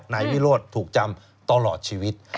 นายวิโรธถูกจำตลอดชีวิต